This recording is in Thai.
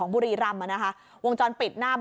ในกล้องวงจรปิดเนี้ย